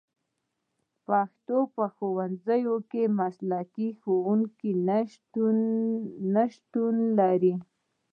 پښتو په ښوونځیو کې د مسلکي ښوونکو نشتون لري